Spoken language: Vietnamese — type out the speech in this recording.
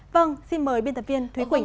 vâng xin mời biên tập viên thúy quỳnh